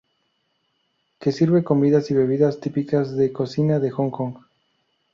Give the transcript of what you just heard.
Que sirve comidas y bebidas típicas de cocina de Hong Kong.